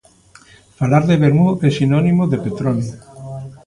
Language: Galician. Falar de vermú é sinónimo de Petroni.